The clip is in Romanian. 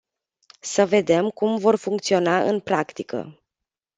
Să vedem cum vor funcționa în practică.